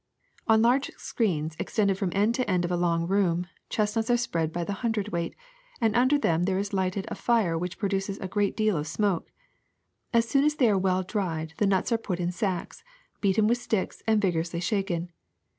On large screens extending from end to end of a long room chestnuts are spread by the hundredweight, and under them there is lighted a fire which produces a great deal of smoke. As soon as they are well dried the nuts are put into sacks, beaten with sticks, and vigorously shaken.